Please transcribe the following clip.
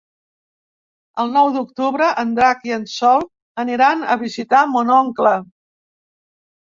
El nou d'octubre en Drac i en Sol aniran a visitar mon oncle.